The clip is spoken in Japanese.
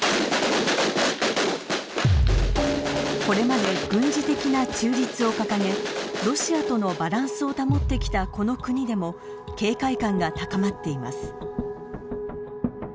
これまで軍事的な中立を掲げロシアとのバランスを保ってきたこの国でも警戒感が高まっています。